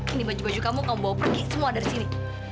ini baju baju kamu kamu bawa pergi semua dari sini